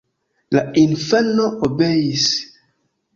La infano obeis.